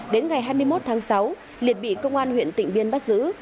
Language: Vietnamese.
đến ngày hai mươi một tháng sáu liệt bị công an huyện tịnh biên bắt giữ